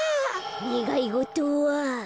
ねがいごとは。